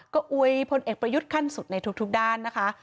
ก็อวยพลเอกประยุทธ์ขั้นสุดในทุกด้านนะคะ